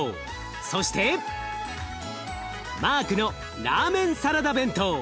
そしてマークのラーメンサラダ弁当。